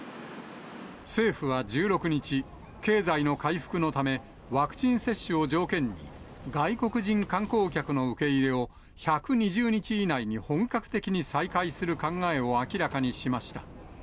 政府は１６日、経済の回復のため、ワクチン接種を条件に、外国人観光客の受け入れを１２０日以内に本格的に再開する考えを明らかにしました。